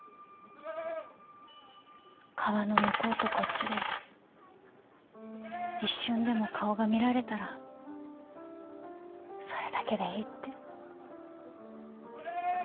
川の向こうとこっちで一瞬でも顔が見られたらそれだけでいいって。